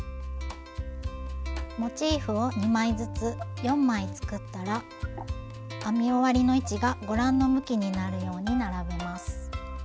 モチーフを２枚ずつ４枚作ったら編み終わりの位置がご覧の向きになるように並べます。